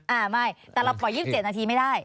อ่าไม่แต่เราปล่อย๒๗นาทีไม่ได้